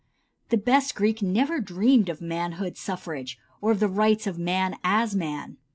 The best Greek never dreamed of manhood suffrage, or the rights of man as man.